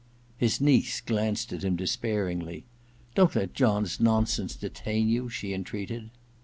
His niece glanced at him despairingly. * Don't let John's nonsense detain you,' she entreated.